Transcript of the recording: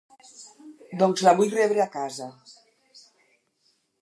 Doncs la vull rebre a casa.